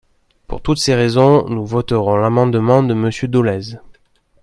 Pour toutes ces raisons, nous voterons l’amendement de Monsieur Dolez.